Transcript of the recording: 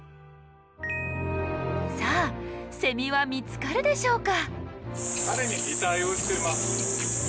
さあセミは見つかるでしょうか？